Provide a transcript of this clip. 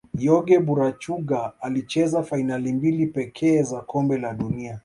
jorge burachuga alicheza fainali mbili pekee za kombe la dunia